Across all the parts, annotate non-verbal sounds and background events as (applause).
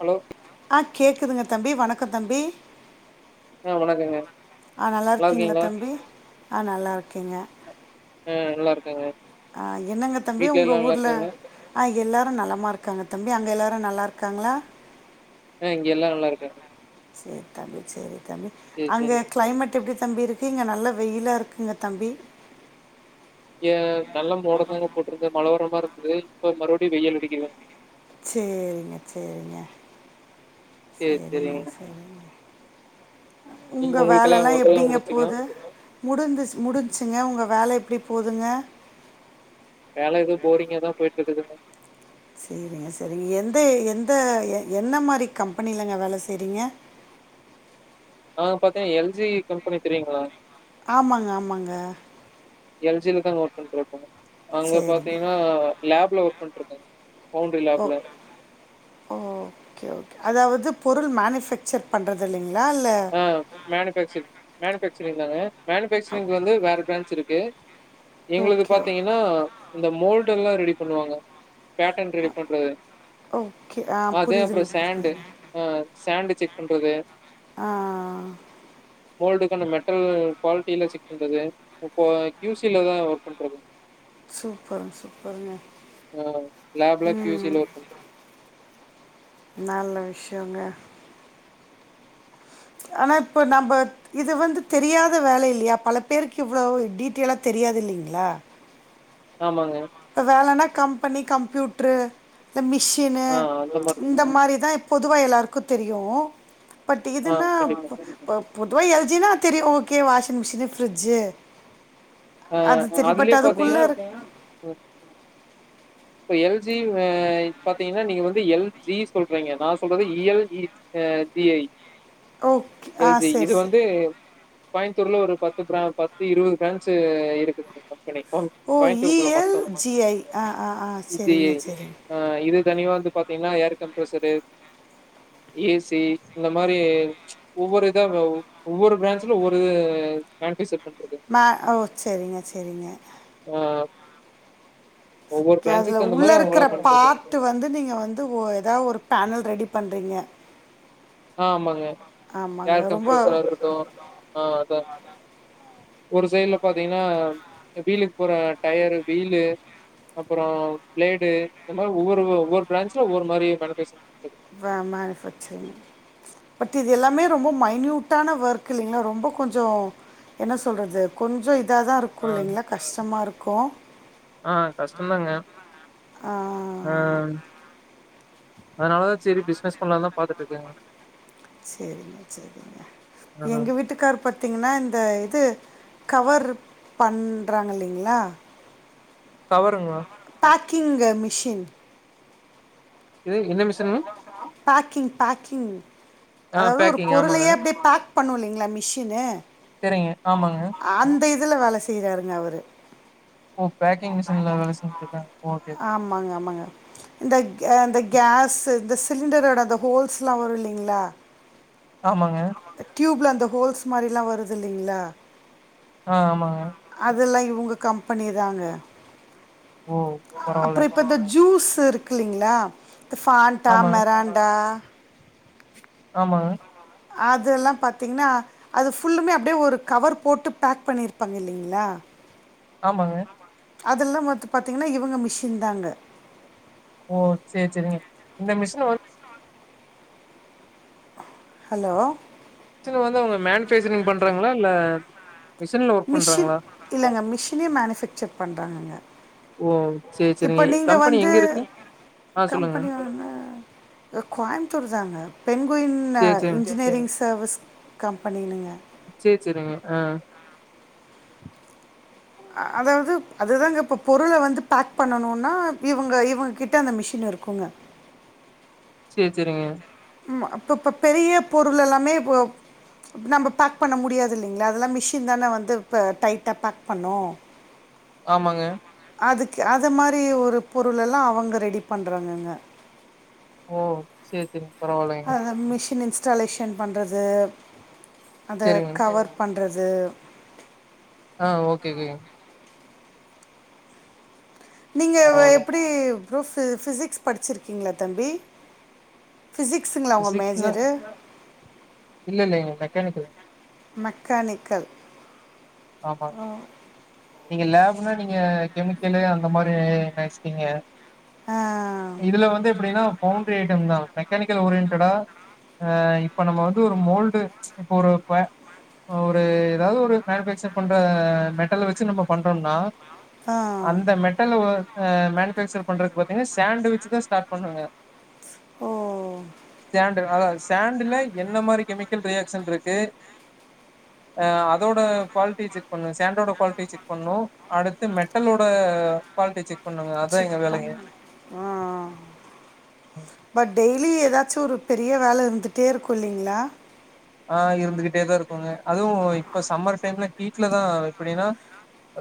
Hello கேக்குதுங்க தம்பி வணக்க தம்பி ஆஹ் வணக்கங்க ஆஹ் நல்லா நல்லாருக்கீங்கள இருக்கீங்களா? தம்பி ஆஹ நல்லாருக்கேங்க ஆ நல்லா இருக்காங்க. ஆ என்னங்க தம்பி வீட்ல உங்க எல்லா நல்லா ஊர்ல இருக்காங்களா? எல்லாரு நலமா இருக்காங்க தம்பி அங்க எல்லாரு நல்லா இருக்காங்களா ஆஹ் இங்க எல்லாரு நல்லா இருக்காங்க சேரி தம்பி சேரி தம்பி சேரி அங்க சேரி. கிளைமேட் எப்டி தம்பி இருக்கு இங்க நல்ல வெயிலா இருக்குங்க தம்பி இங்க நல்ல மோட தாங்க போட்ருக்கு மழவரமாறி இருக்கு அது இப்ப மறுவடி வெயில் அடிக்குதுங் சேரிங்க சேரிங்க சேரி சேரிங்க. செரிங்க செரிங்க நீங்க உங்க உங்களுக்கெல்லா வேலைல்லா ஒர்க் எல்லா எப்டிங்க முடிஞ்சுச்சுங்களா? போது முடிச்ஞ் முடிஞ்ச்சுங்க உங்க வேலை எப்டி போதுங்க வேல எதோ போரிங்காதா போயிட்ருக்குது செரிங்க செரிங்க எந்த எந்த என்ன மாரி கம்பெனிலங்க வேல செய்றீங்க நா பாத்தீங்கனா எல் ஜி கம்பெனி தெரியுங்களா ஆமாங்க ஆமாங்க பண்ற இபோ அங்க சரிங்க பாத்தீங்கன்னா லேப் ல ஒர்க் பண்ணிட்ருக்காங்க ஓ ஓக் ஓகே ஓகே அதாவது பொருள் மேனிஃப்பேக்சர் பண்றதில்லைங்க ஆஹ் மேனுஃப்பேக்சரிங் மேனுஃப் பேக்சரிங்தாங்க மேனுஃப்பேக்சரிங்க்கு வந்து வேற பிரான்ச் இருக்கு எங்களுக்கு ஓகே பாத்தீங்கன்னா இந்த மோல் ல்லா ரெடி பண்ணுவாங்க பேட்டன் ரெடி பண்றது ஓகே ஆ அது அப்றோ புரியுதுங்க சண்டு புரியுதுங்க ஹ சண்டு செக் பண்றது ஆஹ் மோல்டுக்கான மெட்டல் குவாலிட்டியிலா செக் பண்றது இப்ப கியூசில தா ஒர்க் பண்ட்ருக்க சூப்பர் சூப்பருங்க ஆ லேப்ல கியூ சி உம் ல ஒர்க் பண்றது நல்ல விஷயோங்க ஆனா இப்ப நம்ம இது வந்து தெரியாத வேல இல்லையா பல பேருக்கு இவ்வளவு டீட்டெய்லா தெரியாது இல்லைங்களா ஆமாங்க இப்போ வேலன்னா கம்பெனி கம்ப்யூட்ரு ந்த மிஷினு ஆ அந்த மாரி இந்த மாரிதா இப் பொதுவா எல்லாருக்கு தெரியு பட் ஆ இதுன்னா கண்டிப்பா ப பப் போதுவா எல் ஜி னா தெரியு ஓகே வாஷிங் மிஷினு ஃப்ரிட்ஜு அது திரிபட்டு அதுலயே அதுக்குள்ள பாத்தீங்கன்னா இருக் ப்ப எல் ஜி வ இத் பாத்தீங்கன்னா நீங்க வந்து எல் ஜி சொல்றீங்க நா சொல்றது இ எல் இ ஜ் எ டி ஐ ஓகே ஆ எல் ஜி சரி இது சரி வந்து கோயம்த்தூர்ல ஒரு பத்து பிர பத்து இருவது பிரான்ச் இருக்குதுங்க்கா ஓ இ எல் ஜி ஐ அ ஆ ஆ செரிங்க செரிங்க இத்தனியு வந்து பாத்தீங்ன்னா ஏர் கம்ப்ரசரு ஏ சி இந்த மாரி ப்ச் ஒவ்வொரு இத ஒவ்வொரு பிரான்ச்ல ஒவ்வொருது (unintelligible) மா ஓ செரிங்க செரிங்க ஆ ஒவ்வொரு கெ அதுல பிரான்ச்சுக்கு தகுந்த உள்ள மாரி அவங்களா இருக்ற பண்ட்ருக்காங்க பாத்து வந்து நீங்க வந்து ஒ எதா ஒரு பேனல் ரெடிப் பண்றிங்க ஆஹ் ஆமாங்க ஏர் கம்ப்ரஷரா ரொம்ப இருக்கட்டு ஆஹ் அதா ஒரு சைடுல பாத்தீங்னா வீலுக் போற டயரு வீலு அப்பறோ பிளேடு இந்த மார ஒவ்வொரு வ ஒவ்வொரு பிரான்ச்ல ஒவ்வொரு மாரி வெல பேசி வாமா (unintelligible) பட் இது எல்லாமே ரொம்ப மைன்யூட்டான வர்க் இல்லிங்ளா ரொம்ப கொஞ்சோ என்ன சொல்றது கொஞ்சோ இ இதாதா இருக்கு இல்லிங்ளா கஷ்டமா இருக் கோ ஆஹ் கஷ்டந்தாங்க ஆ, ஆஹ் அதனாலதா செரி பிசினஸ் பண்லான்தா பாத்துட்டு இருக்கேங்க செரிங்க செரிங்க ஆ எங்க வீட்டுக்காரு பத்தீங்கன்னா இ ந்த இது கவரு பண்றாங்கில்லிங்ளா கவருங்ளா பேக்கிங்கு மிஷின் இது என்ன மிஷினுங்க பேக்கிங் பேக்கிங் ஆ அதாவ்து ஒரு பேக்கிங் ஆமாங்க பொருளையே அப்டே பேக் பண்ணு இல்லிங்ளா மிஷினு செரிங்க ஆமாங்க இதுல வேல செய்றாருங்க அவரு ஓ பேக்கிங் மிஷின்ல செஞ்சுட்ருக்காங்க ஓகே ஆமாங்க ஆமாங்க இந்தக் ஏ இந்த கேஸு இந்த ஸ் லிண்டரோட அந்த ஹோல்ஸ்லா வரு இல்லிங்ளா ஆமாங்க. ட்யூப்ல அந்த ஹோல்ஸ் மாரிலாம் வருது இல்லைங்களா ஆஹ் ஆமாங்க உங்கள கம்பெனி தாங்க ஓ! பரவால்ல. அப்புறம் இப்ப இந்த ஜூஸ் இருக்குல்லீங்களா ஃபான்டா ஆமா, மெரான்ண்டா ஆமா அதெல்லா பாத்தீங்ன்னா அது ஃபுல்லுமே அப்டியே ஒரு கவர் போட்டு பேக் பண்ணிருப்பாங்க இல்லைங்களா ஆமாங்க அதுல்லா வந்து பாத்தீங்கன்னா இவங்க மிஷின் தாங்க ஓ சேர் சேரிங்க இந்த மிஷின வந் ஹலோ மிஷின வந்து அவங்க மேனுஃப்பேக்சரிங் பண்றாங்களா இல்ல மிஷின்ல ஒர்க் மிஷின் பண்றாங்களா? இல்லங்க மிஷினே மேனுஃப்பேக்சர் பண்றாங்க ஓ! சரி, இப்ப சரிங்க. நீங்க கம்பெனி வந்து எங்க இருக்கு? ஆ சொல்லுங்க. கம்பெனி ஓட கோயத்தூர் தாங்க பென்குயின் சரி, சரிங்க. இன்ஜினியரிங்ஸ் சர்வீஸ் கம்பெனினுங்க சேர் செரிங்க ஆ அதாவது அதுதாங்க இப்போ பொருள வந்து பேக் பண்ணனும்னா இவங்க இவங்க கிட்ட அந்த மிஷின் இருக்குங்க சேர் சேரிங்க ம் இப்ப இப்போ பெரிய பொருள் எல்லாமே இப்போ நம்ம பேக் பண்ண முடியாதில்லைங்களா அதெல்லா மிஷின் தானே வந்து இப்போ டைட்டா பேக் பண்ணு ஆமாங்க அதுக்கு அது மாரி ஒரு பொருலெல்லா அவங்க ரெடி பண்ணுறாங்கங்க ஓ சேர் சேரி அத மிஷின் இன்ஸ் ன்ஸ்டலெக்ஷன் பண்றது அத சரிங்க. கவர் பண் அது ஆ ஓகே ஓகேங்க நீங்க வ்வ பரவாயில்லைங்க. எப்டி ப்ரூஃப் ஃபிசிக்ஸ் படிச்சிருக்கீங்களா தம்பி ஃபிசிக்ஸுங்களா உங்கள் ஃபிசிக்ஸுனா மேஜரு இல்ல இல்ல மெக்கானிக்கல் மெக்கானிக்கல் ஆமாங்க. ஆ நீங்க லேப்னா நீங்க கெமிக்கலு அந்த மாரி நெனச்சிட்டீங்க ஆ இதுல வந்து எப்டின்னா பவுண்டரி ஐய்டம்ஸ் தா மெக்கானிக்கல் ஓரியன்ட்டடா இப்ப நம்ம வந்து ஒரு மோல்டு ச்சு இப்போ ஒரு குவ இப்போ ஒரு எதாவது ஒரு மேனுஃப்பேக்சரிங் இன்ஸெர்ட் பண்ற மெட்டலவெச்சு நம்ம பண்றோம்னா ஆ அந்த மெட்டல வ்வ ஆ மே ஃபேக்சர் பண்றக்கு பாத்தீங்னா சேண்ட வெச்சுதா ஸ்டார்ட் பண்ணோங்க ஓ சேண்டு அதா சேண்டுல எந்த மாரி கெமிக்கல் ரியாக்ஷன் இருக்கு ஆ அதோட குவாலிட்டி செக் பண்ணு சேண்டோட குவாலிட்டி செக் பண்ணு அடுத்து மெட்டலோட குவாலிட்டி செக் பண்ணுங்க அதா எங்க செரிப்பா வேலைங்க ஆ அப்ப டெய்லி எதா ச்சு ஒரு பெரிய வேல இருந்துட்டே இருக்கு இல்லைங்களா ஆ இருந்துக்கிட்டே தா இருக்குங்க அதுவு இப்போ சம்மர் டைம்ல ஹீட்ல தா எப்டின்னா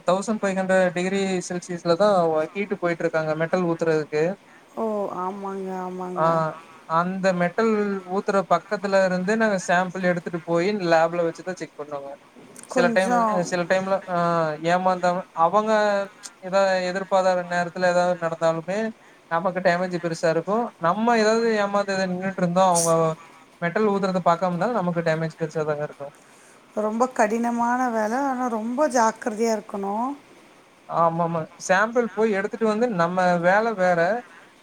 தௌசண்ட் ஃபைவ் ஹண்ட்ரட் டிகிரி செல்சியஸ்ல தா ஓ ஹீட்டு போய்ட்ருக்கு அங்க மெட்டல் ஊத்துறதுக்கு ஓ ஆமாங்க ஆமாங்க ஆஹ் அந்த மெட்டல் ஊத்துற பக் பக்கத்துலருந்து நாங்க சேம் ப்புள் எடுத்துட்டு போயி லேப்ல வச்சுதா செக் பண்ணுங்க சில டைம் கொஞ்சம் வந்து சில டைம்லா ஆ ஏமாந்தாலு அவங்க எதா எதிர்பாரத நேரத்துல ஏதாது நடந்தாலுமே நமக்கு டேமேஜு பெருசா இருக்கு நம்ம ஏதாது ஏமாந்து எதா நின்னுட் ருந்தா அவுங்க மெட்டல் ஊத்துறத பாக்காம் ருந்தால் நமக்கு டேமேஜ் பெருசாதாங்க இருக்கு ரொம்ப கடினமான வேல ஆனா ரொம்ப ஜாக்ரதையா இருக்கணு ஆமா ஆமா சாம்ப்பிள் போய் எடுத்துட்டு வந்து நம்ம வேல வேற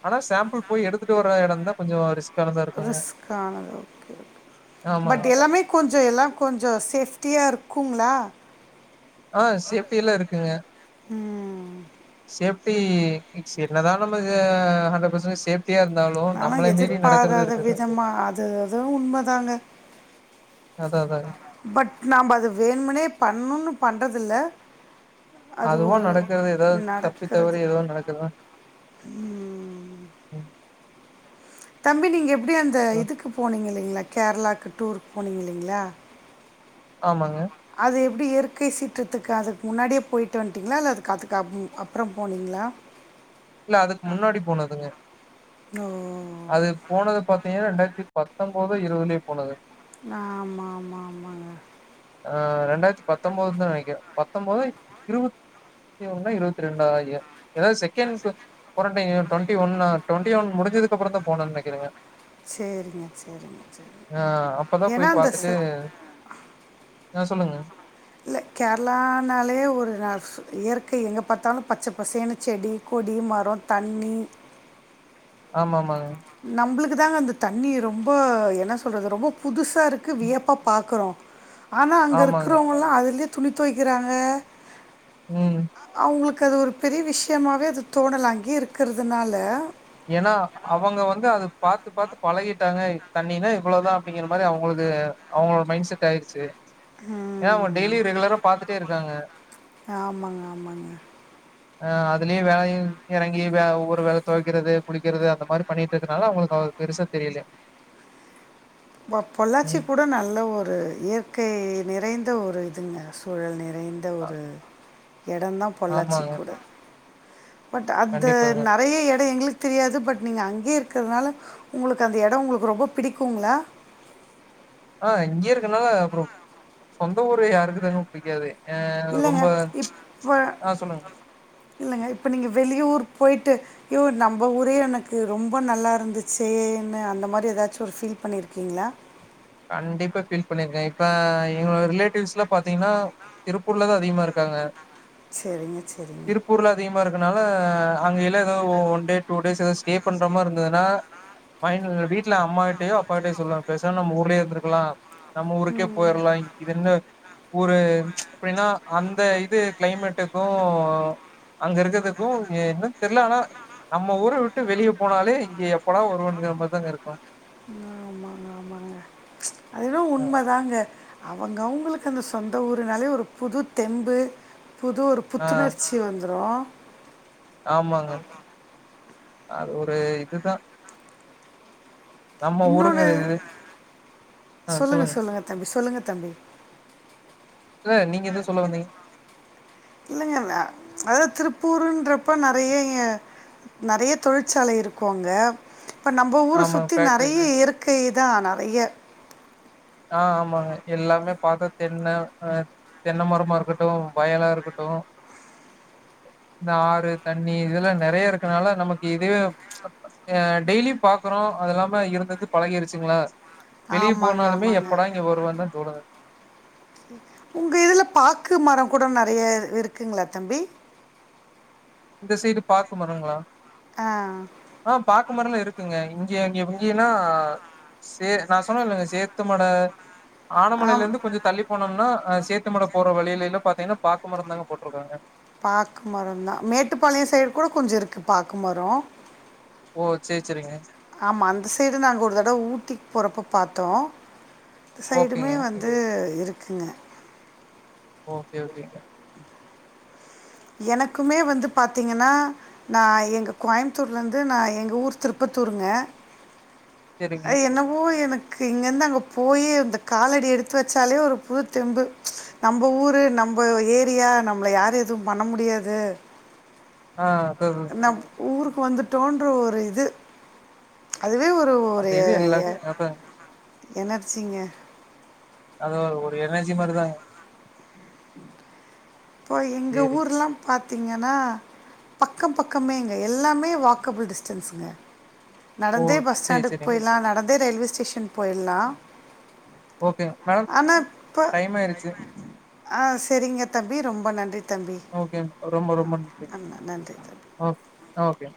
ஆனா சாம்ப்பிள் போய் எடுத்துட்டு வர எடந்தா கொஞ்சொ ரிஸ்க் ரிஸ்க்கானது ஓகே க் பட் ஆமாங்க எல்லாமே கொஞ்சொ எல்லா கொஞ்சொ சேஃப்டியா இருக் குங்ளா ஆஹ் சேஃப்டி எல்லா இருக்குங்க ம் சேஃப் டி ஸ் என்னதா நம்ம ஆ ஹண்ட்ரட் பர்சடேஜ் சேஃப் ஆனா எதிர்பாராத விதமா அது அதுவு உண்மதாங்க அதா அதாங்க பட் நாம்ப அது வேணுமுனே பண்ணுனு பண் றதில்ல அது அதுவா ஒரு நடக்கறது ஏதாவது தப்பி தவறி நடக்குறது ஏதோ நடக்குதா உம் ம் தம்பி நீங்க எப்டி அந்த அ இதுக்கு போனீங்களே ல்லிங்ளா கேரளாக்கு டூருக் போனீங்க இல்லிங்ளா ஆமாங்க அது எப்டி இயற்கை சீற்றத்துக்கு அதுக்கு முன்னாடியே போயிட்டு வன்ட்டீங்களா இல்ல அதுக் அதுக்கப் ம் அப்றொ போனீங்களா இல்ல அதுக்கு முன்னாடி போனதுங்க ஓ அது போனது பாத்தீங்னா ரெண்டாயிரத் தி பத்தம்போதோ இருவதுலயோ போனது ஆமா ஆமா ஆமாங்க ஆஹ் ரெண்டாயிரத்தி பத்தம்போது தா நெனக்கிற பத்தம்போதா இருவத்தி ஒன்னா இருவத்தி ரெண்டா ஏதாவ் செகண்ட் க் வாரன்டைன் டுவண்ட்டி ஒன்னா டுவண்ட்டி ஒன் முடிஞ்சதுக்கப்பறோந்தா போனன் நெனக்கிறங்க சேரிங்க சேரிங்க சேரி ஆ அப்பதா ஏனா போய் அந்த ச பாத்துட்டு ஆ சொல்லுங்க இல்லை எங்க பார்த்தாலும் பச்சை பசன்னு செடி கொடி மரம் தண்ணி ஆமா ஆமாங்க நம்புளுக்கு தங்க அந்த தண்ணிர் ரொம்ப என்ன சொல்றது ரொம்ப புதுசு சாக இருக்கு ம் வியப்பாகார்க்குறோம் ஆனா அங்கே ஆமாங்க இருக்கிறவங்கலாம் அதுலே துணி துவைக்கிறாங்க உம் எனக்கு அது ஒரு பெரிய விஷயமாகாவவே அது தோணலாம் அங்கே இருக்கிறதுனால ஏன்னா அவங்க வந்து அதது பாாரத்து பாாரத்து பழகிட்டாங்க தண்ணினா இவ்வளவுதான் அப்படிங்கிற மாரி அவங்களுக்கு அவங்களோட மைண்ட் செட் ஆயிடுச்சு ஏன்னா அவங்க ம், டெய்லி ரெகுலரா பாத்துட்டே இருக்காங்க ஆமாங்க ஆமாங்க அஹ் அதுலயே வேலையு இறங்கி (unintelligible) வேலை த குக்கிறது குளிக்கிறது அந்த மாதிரி பண்ணிட்டுதுனால அவங்களுக்கு பெருசா தெரில பொள்ளாச்சி கூட நல்ல ஒரு இயற்கை நிறைந்த ஒரு இதுங்க சூழல் ந விறந்த அ ஒரு இடம்ந்தான் பொல்லாச்சி ஆமாங்க கூட பட் அத்து கண்டிப்பாங்க நெறைய இட எங்களுக்கு தெரியாது பட் நீங்கள் அங்கே இருக்கிறதுனால உங்களுக்கு அந்த இடம் உங்களுக்கு ரொம்ப பிடிக்குங்களா ஆஹ் இங்கேய இருக்கனால அப்பறோ சொந்த ஊர் யாருக்குதங்க பிடிக்காது இல்லங்க இப்ப ஆ சொல்லுங்க இல்லங்க இப்ப நீங்க வெளியூர் போயி்ட்டு யோ நம்ம ஊரே எனக்கு ரொம்ப நல்லா இருந்துச்சேன்னு அந்த மாதிரி ஏதாச்சும் ஒரு ஃபீல் பண்ணியிருக்கீங்களா கண்டிப்பா ஃபீல் பண்ணிருக்கேன் இப்ப எங்களோ ரிலேட்டிவ்ஸ் எல்லாம் பாத்தீங்கன்னா திருப்பூர்ல தான் அதிகமா இரு சரிங்க (unintelligible) சரிங்க திருப்பூர்ல அதிகமாக இருக்கனால அங்க ஏ one day two day stay பண்ற மாரி இந்ததுான வீட்ல அம்மாட்டயோ அப்பாட்டயோ சொல்ல பேசம நம்ம உ (unintelligible) கலாம் நம்ம ஊருக்கே போயிரலா இது என்ன ஒரு எப்படின்னா அந்த இது கிளைமேட்டுக்கும் அங்க இருக்கிறதுக்கும் என்னு தெரில ஆனா நம்ம ஊர விட்டு வெளியே போனாலே இங்க எப்படா வருவோம் மாதிதாங்க இருக்கும் ஆமாங்க ஆமாங்க அதும் உண்மை தாங்க அவங்க அவங்களுக்கு அந்த சொந்த ஊருனாலே ஒரு புது தெம்பு புது ஒரு ஆ புத்துணர்ச்சி வந்துரும் ஆமாங்க அது ஒரு இதுதா நம்ம ஊருங்க இன்னொனு சொல்லுங்க சொல்லுங்க தம்பி சொல்லுங்க தம்பி இல்ல நீங்க எதோ சொல்ல வந்தீங்க இல்லங்க அதாத் திருப்பூருன்றப்ப நறைய நறைய தொழிற்சாலை இருக்கு அங்க இப்ப நம்ப ஊர ஆமா சுத்தி நறைய ஃபேக்ட்ரிஸ் இருக்கு இதா நெறைய ஆ ஆமாங்க எல்லாமே பாத்தா தென்ன அ தென்ன மரமா இருக்கட்டு வயலா இருக்கட்டு இந்த ஆறு தண்ணி இதெல்லா நெறைய இருக்கனால நமக்கு இதுவே ச்ச்அ டெய்லி பாக்குறோ அது இல்லாம இருந்திருந்து பழகிருச்சுங்ளா ஆமாங்க ஆ எப்படா இங்க வருவன் தா தோணுது (inaudible) உங்க இதுல பாக்கு மரம் கூட நறைய இருக்குங்ளா தம்பி இந்த சைடு பாக்கு மரங்களா ஆ ஆ பாக்கு மரல இருக் க்குங்க இங்க இங்க இங்கேன்னா சே நா சொன்னலங்க சேத்துமட ஆம் ஆனமலையிலந்து கொஞ்சோ தள்ளி போனோம்னா ஆ சேத்துமட போற வழியிலேல்ல பாத்தீங்ன்னா பாக்கு மரோ தாங்க போட்ருக்காங்க பாக்கு மரோ ந்தா மேட்டுப்பாளையு சைடு கூட கொஞ்சோ இருக்கு பாக்கு மரோ ஓ சேரி சேரிங்க ஆமா அந்த சைடு நாங் ஒரு தடவ ஊட்டிக் போறப்போ பாத்தோ சைடுமே ஓகேங்க வந்து இரு குங்க ஓகே ஓகேங்க எனக்குமே வந்து பாத்தீங்கன்னா நா எங்க கோய்ம்த்தூர்லேந்து நா எங்க ஊர் திருப்பத்தூருங்க சேரிங்க அ என்னவோ எனக்கு இங்கந்து அங்க போயி இந்த காலடி எடுத்து வெச்சாலே ஒரு புது தெம்பு நம்ப ஊரு நம்ப ஏரியா நம்ள யாரு எதுவு பண்ண முடியாது அ ந ஊர்க் வந்துடோன்ற ஒரு இது அதுவே ஒரு ஒரு அந்த எ இது எ எல்லாருக்கும் அதா எனர்ஜீங்க அது ஒரு ஒரு எனர்ஜி மாதிரிதாங்க இப்போ எங்க சேரி ஊர்லா பாத் பாத்தீங்கன்னா பக்கம் பக்கமேங்க எல்லாமே வாக்கபுள் டிஸ்டன்ஸுங்க ஓ நடந்தே பஸ் சேரி ஸ்டாண்டுக்கு சேரிங்க போய்லா நடந் அதே ரயில்வே ஸ்டேஷன் போயிடலா ஓகே மேம் டைம் ஆயிருச்சு ஆஹ் சரிங்க தம் தி ரொம்ப நன்றி தம்பி ஓகே ரொம்ப ஆ, ரொம்ப நன்றி நன்றி தம்பி ஓ ஓகே